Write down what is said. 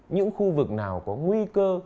những khu vực nào có nguy cơ